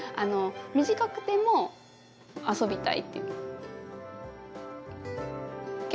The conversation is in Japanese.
短くても遊びたいって。